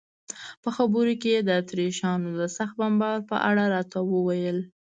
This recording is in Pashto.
په خبرو کې یې د اتریشیانو د سخت بمبار په اړه راته وویل.